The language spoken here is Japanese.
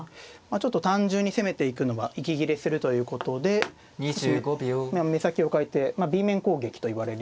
ちょっと単純に攻めていくのは息切れするということで目先を変えてＢ面攻撃といわれるような手ですね。